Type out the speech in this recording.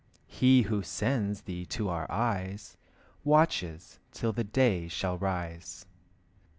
He who sends thee to our eyes, Watches till the day shall rise.